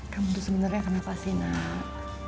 kamu tuh sebenarnya kenapa sih nak